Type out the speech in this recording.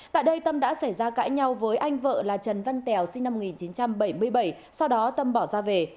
tại đây tâm đã xảy ra cãi nhau với anh vợ là trần văn tèo sinh năm một nghìn chín trăm bảy mươi bảy sau đó tâm bỏ ra về